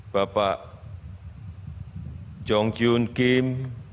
bapak jung jion kim